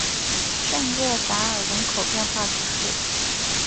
圣若达尔人口变化图示